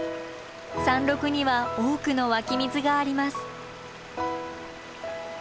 山麓には多くの湧き水があります。